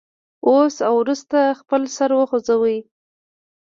اوس او وروسته خپل سر وخوځوئ.